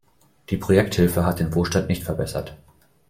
Die Projekthilfe hat den Wohlstand nicht verbessert.